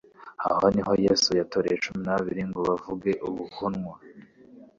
aho niho Yesu yatoreye cumi na babiri ngo bavuge ubuhunwa,